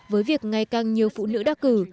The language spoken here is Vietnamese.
với việc ngày càng nhiều phụ nữ đắc cử